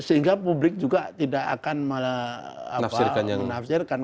sehingga publik juga tidak akan menafsirkan